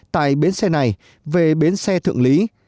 tại bến xe này về bến xe thượng lý